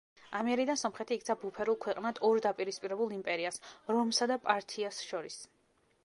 ამიერიდან, სომხეთი იქცა ბუფერულ ქვეყნად ორ დაპირისპირებულ იმპერიას, რომსა და პართიას შორის.